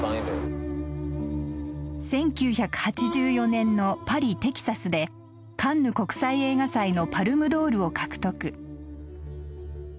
１９８４年の「パリ、テキサス」でカンヌ国際映画祭のパルム・ドールを獲得。